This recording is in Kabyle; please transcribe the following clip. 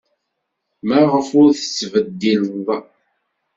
Maɣef ur t-tettbeddileḍ?